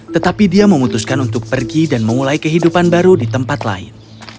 tetapi dia memutuskan untuk pergi dan memulai kehidupan baru di tempat lain